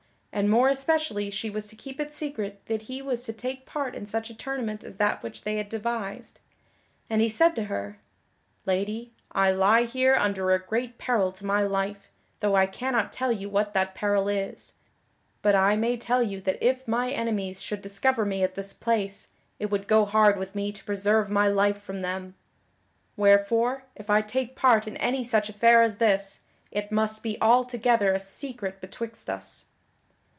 And more especially she was to keep it secret that he was to take part in such a tournament as that which they had devised. And he said to her: "Lady, I lie here under a great peril to my life, though I cannot tell you what that peril is. But I may tell you that if my enemies should discover me at this place, it would go hard with me to preserve my life from them. Wherefore, if I take part in any such affair as this, it must be altogether a secret betwixt us."